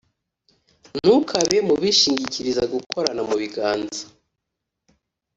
ntukabe mu bīshingirisha gukorana mu biganza,